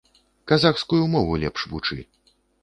Казахскую мову лепш вучы.